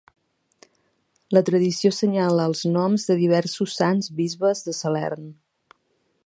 La tradició senyala els noms de diversos sants bisbes de Salern.